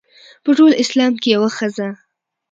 په ټول اسلام کې یوه ښځه.